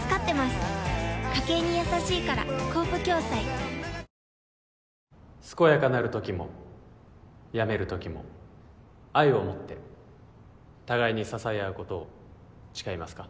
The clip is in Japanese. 「トリプルバリア」・健やかなるときも病めるときも愛をもって互いに支え合うことを誓いますか？